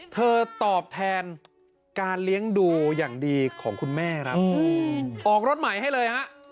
ตอบแทนการเลี้ยงดูอย่างดีของคุณแม่ครับออกรถใหม่ให้เลยฮะ